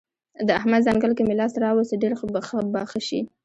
د احمد ځنګل که مې لاس ته راوست؛ ډېر به ښه شي.